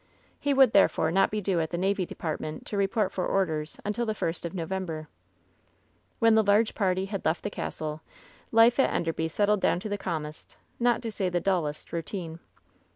He would, therefore, LOVE'S BITTEREST CUP 808 not be due at the navy department to report for orders until the first of November. When the large party had left the castle, life at En derby settled down to the calmest, not to say the dullest, routine.